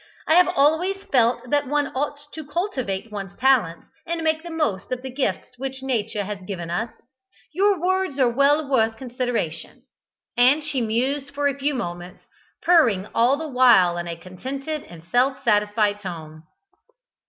I have always felt that one ought to cultivate one's talents, and make the most of the gifts which Nature has given us. Your words are well worth consideration," and she mused for a few moments, purring all the while in a contented and self satisfied tone.